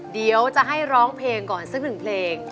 เดี๋ยวจะให้ร้องเพลงก่อนสักหนึ่งเพลง